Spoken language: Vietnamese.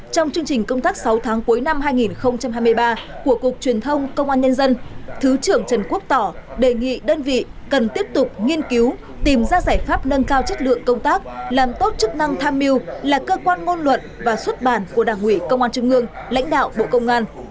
trong chương trình công tác sáu tháng cuối năm hai nghìn hai mươi ba của cục truyền thông công an nhân dân thứ trưởng trần quốc tỏ đề nghị đơn vị cần tiếp tục nghiên cứu tìm ra giải pháp nâng cao chất lượng công tác làm tốt chức năng tham mưu là cơ quan ngôn luận và xuất bản của đảng ủy công an trung ương lãnh đạo bộ công an